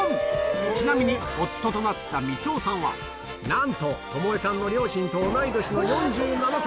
ちなみに夫となった光雄さんは、なんと巴さんの両親と同い年の４７歳。